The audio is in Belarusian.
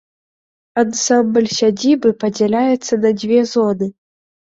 Ансамбль сядзібы падзяляецца на дзве зоны.